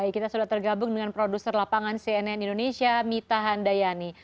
kita sudah tergabung dengan produser lapangan cnn indonesia mita handayani